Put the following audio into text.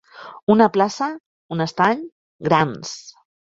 Una plaça, un estany, grans.